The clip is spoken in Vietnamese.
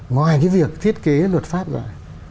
ngoài cái việc thiết kế luật pháp rồi